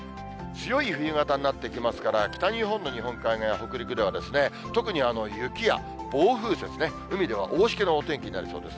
強い冬型になってきますから、北日本の日本海側や北陸では、特に雪や暴風雪ね、海では大しけのお天気になりそうです。